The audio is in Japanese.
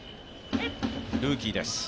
ルーキーです。